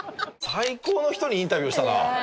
最高の人にインタビューしたな。